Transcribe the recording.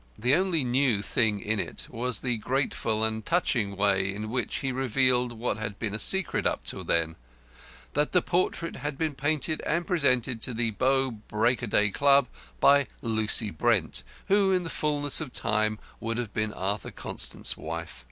The only new thing in it was the graceful and touching way in which he revealed what had been a secret up till then that the portrait had been painted and presented to the Bow Break o' Day Club, by Lucy Brent, who in the fulness of time would have been Arthur Constant's wife.